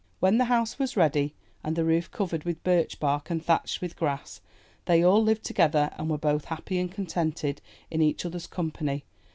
When the house was ready and the roof covered with birch bark and thatched with grass, they all lived together and were both happy and contented in each others' company.